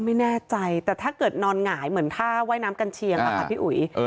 ไม่แน่ใจแต่ถ้าเกิดนอนหงายเหมือนท่าว่ายน้ำกันเชียงอะค่ะพี่อุ๋ย